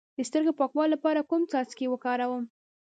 د سترګو د پاکوالي لپاره کوم څاڅکي وکاروم؟